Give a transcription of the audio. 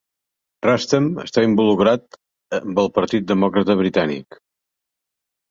Rustem està involucrat amb el Partit Demòcrata Britànic.